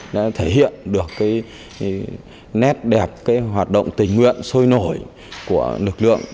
để thể hiện được nét đẹp hoạt động tình nguyện sôi nổi của lực lượng đoàn viên thanh niên công an tỉnh